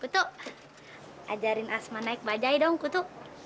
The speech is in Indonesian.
betul ajarin asma naik bajai dong kutu